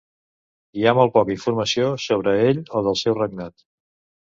Hi ha molt poca informació sobre ell o del seu regnat.